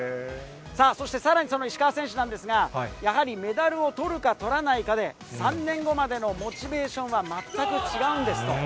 そして、さらに、その石川選手なんですが、やはりメダルをとるかとらないかで、３年後までのモチベーションは全く違うんですと。